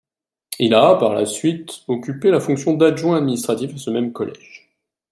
Il a, par la suite, occupé la fonction d’adjoint-administratif à ce même collège.